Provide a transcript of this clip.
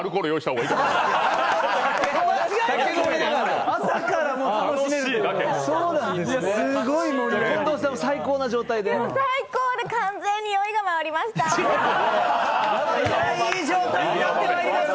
いい状態になってきました。